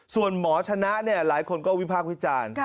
ส่วนหมอชนะเนี่ยหลายคนก็วิภาควิจารณ์